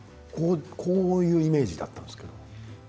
こういうイメージだったんですが。